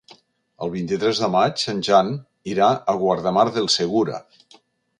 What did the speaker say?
El vint-i-tres de maig en Jan irà a Guardamar del Segura.